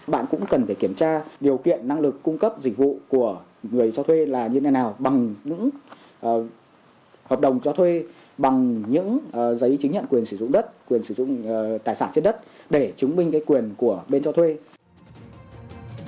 bạn cũng cần phải kiểm tra điều kiện năng lực cung cấp dịch vụ của người cho thuê là như thế nào bằng những hợp đồng cho thuê bằng những giấy chứng nhận quyền sử dụng đất quyền sử dụng tài sản trên đất để chứng minh cái quyền của bên cho thuê